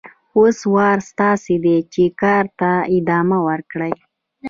اوس وار ستاسو دی چې کار ته ادامه ورکړئ.